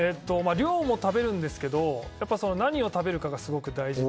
量も食べるんですけど何を食べるかがすごく大事で。